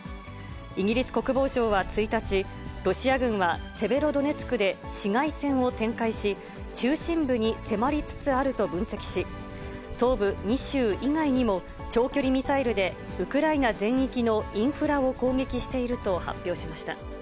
イギリス国防省は１日、ロシア軍はセベロドネツクで市街戦を展開し、中心部に迫りつつあると分析し、東部２州以外にも、長距離ミサイルでウクライナ全域のインフラを攻撃していると発表しました。